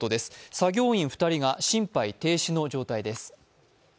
作業員２人が心肺停止の状態です。